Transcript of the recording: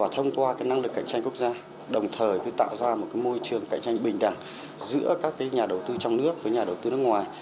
trong qua cái năng lực cạnh tranh quốc gia đồng thời tạo ra một cái môi trường cạnh tranh bình đẳng giữa các cái nhà đầu tư trong nước với nhà đầu tư nước ngoài